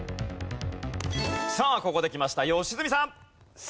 さあここできました良純さん。